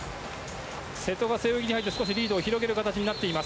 瀬戸が背泳ぎに入って少しリードを広げる形。